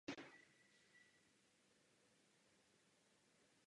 V důsledku toho se svět dostává do postamerické éry.